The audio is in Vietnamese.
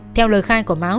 theo lời khai của mão